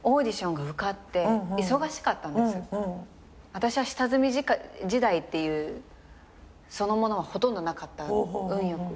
あたしは下積み時代っていうそのものはほとんどなかった運よく。